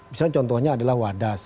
misalnya contohnya adalah wadas